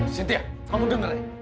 cynthia kamu dengerin